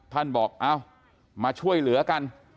ท่านบอกเอ้ามาช่วยเหลือกัน